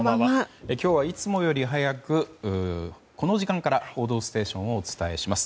今日はいつもより早くこの時間から「報道ステーション」をお伝えします。